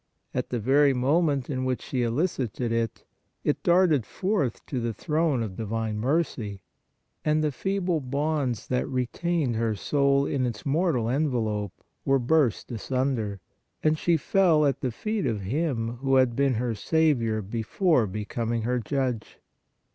At the very moment in which she elicited it, it darted forth to the throne of divine mercy, and the feeble bonds that retained her soul in its mortal envelope, were burst asunder, and she fell at the feet of Him who had been her Saviour before becoming her Judge.